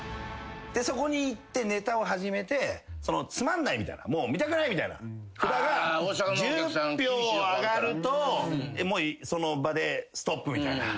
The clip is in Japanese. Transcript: そこに行ってネタを始めてつまんないみたいなもう見たくないみたいな札が１０票あがるとその場でストップみたいな。